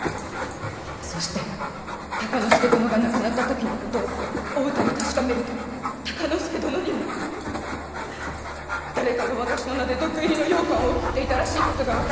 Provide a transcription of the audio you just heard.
そして敬之助殿が亡くなった時のことをお宇多に確かめると敬之助殿にも誰かが私の名で毒入りのようかんを送っていたらしいことが分かり。